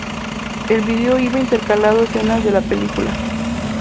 El vídeo iba intercalando escenas de la película.